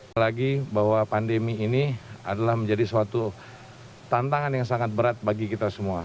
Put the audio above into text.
apalagi bahwa pandemi ini adalah menjadi suatu tantangan yang sangat berat bagi kita semua